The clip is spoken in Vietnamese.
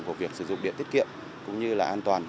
của việc sử dụng điện tiết kiệm cũng như là an toàn